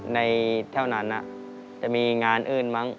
ในเท่านั้นจะมีงานอื่นมั้ง